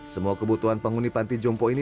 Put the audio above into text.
semua kebutuhan penghuni panti jompo ini